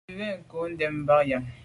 Bin ke nko ndèn banyàm.